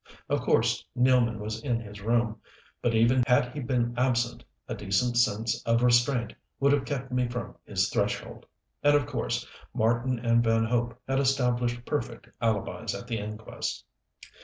Of course Nealman was in his room, but even had he been absent, a decent sense of restraint would have kept me from his threshold. And of course Marten and Van Hope had established perfect alibis at the inquest.